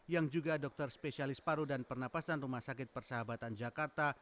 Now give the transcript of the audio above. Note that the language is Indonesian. yang juga dokter spesialis paru dan pernapasan rumah sakit persahabatan jakarta